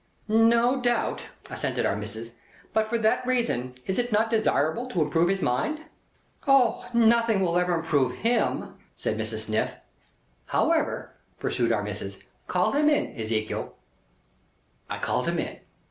"No doubt," assented Our Missis. "But for that reason is it not desirable to improve his mind?" "O! Nothing will ever improve him," said Mrs. Sniff. "However," pursued Our Missis, "call him in, Ezekiel." I called him in.